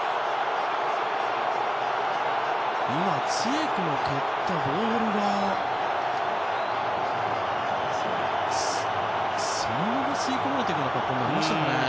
今、ツィエクが蹴ったボールがそのまま吸い込まれていくような格好になりましたかね。